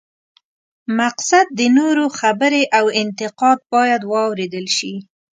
مقصد د نورو خبرې او انتقاد باید واورېدل شي.